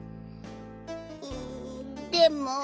うんでも。